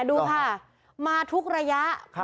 ดูค่ะมาทุกระยะ